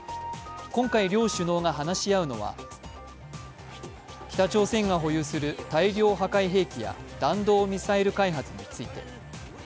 今回、両首脳が話し合うのは、北朝鮮が保有する大量破壊兵器や弾道ミサイル開発について。